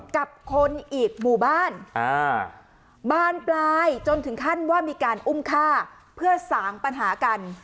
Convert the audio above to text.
กับคนอีกหมู่บ้านบานปลายจนถึงขั้นว่ามีการอุ้มฆ่าเพื่อสางปัญหากัน